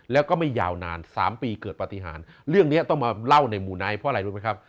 แล้วก็ไม่ยาวนาน๓ปีเกิดปฏิหารเรื่องนี้ต้องมาเล่าในหมู่ไนท์เพราะอะไรรู้ไหมครับ